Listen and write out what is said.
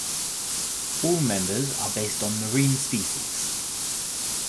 All members are based on marine species.